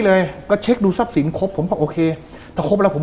เลยก็เช็คดูทรัพย์สินครบผมบอกโอเคถ้าครบแล้วผม